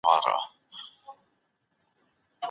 خپلواک تجارت د خلګو ژوند ښه کوي.